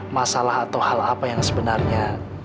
masalah atau hal apa yang sebenarnya